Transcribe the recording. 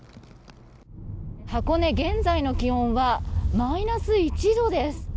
箱根、現在の気温はマイナス１度です。